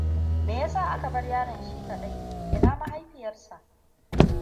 Me ya sa aka bar yaron shi kaɗai? Ina mahaifiyarsa?